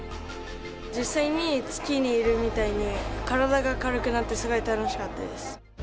実際に月にいるみたいに体が軽くなってすごい楽しかったです。